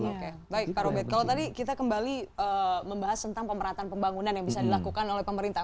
oke baik pak robert kalau tadi kita kembali membahas tentang pemerataan pembangunan yang bisa dilakukan oleh pemerintah